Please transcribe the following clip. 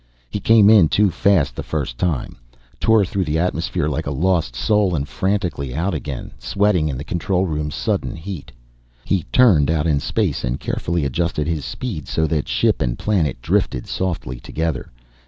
He came in too fast the first time tore through the atmosphere like a lost soul and frantically out again, sweating in the control room's sudden heat. He turned, out in space, and carefully adjusted his speed so that ship and planet drifted softly together.